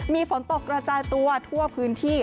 มีฝนตกกระจายตัวทั่วพื้นที่